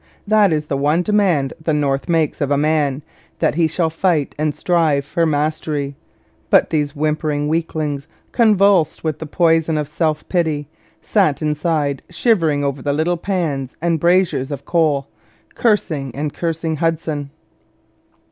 That is the one demand the North makes of man that he shall fight and strive for mastery; but these whimpering weaklings, convulsed with the poison of self pity, sat inside shivering over the little pans and braziers of coal, cursing and cursing Hudson.